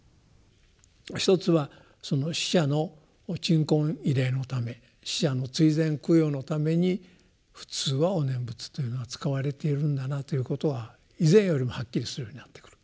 １つはその死者の鎮魂慰霊のため死者の追善供養のために普通はお念仏というのは使われているんだなということは以前よりもはっきりするようになってくる。